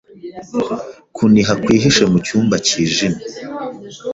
Kuniha kwihishe mucyumba cyijimye